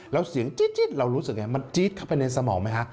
แล้วเสียงจี๊ดเรารู้สึกยังไงมันจี๊ดเข้าไปในสมองไหมฮะ